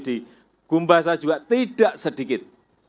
di gumbasa juga tidak sedikit